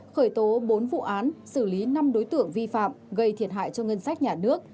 khởi tố bốn vụ án xử lý năm đối tượng vi phạm gây thiệt hại cho ngân sách nhà nước